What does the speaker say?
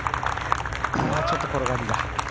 もうちょっと転がりが。